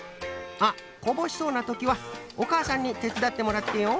あっこぼしそうなときはおかあさんにてつだってもらってよ。